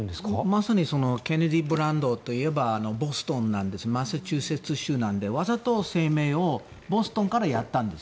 まさにそのケネディブランドといえばボストンなんですマサチューセッツ州なのでわざと声明をボストンからやったんです。